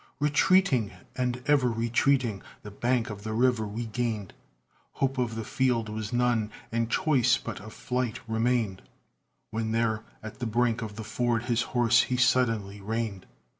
Retreating and ever retreating, the bank of the river we gained, Hope of the field was none, and choice but of flight remained, When there at the brink of the ford his horse he suddenly reined.